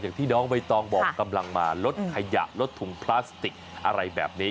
อย่างที่น้องใบตองบอกกำลังมาลดขยะลดถุงพลาสติกอะไรแบบนี้